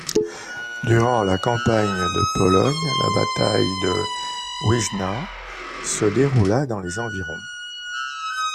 Durant la Campagne de Pologne, la Bataille de Wizna se déroula dans les environs.